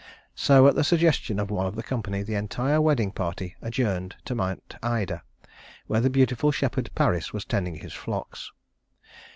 So, at the suggestion of one of the company, the entire wedding party adjourned to Mount Ida, where the beautiful shepherd Paris was tending his flocks.